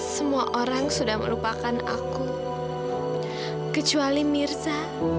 semua orang sudah melupakan aku kecuali mirza